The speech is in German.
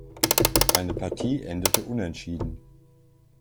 Eine Partie endete unentschieden.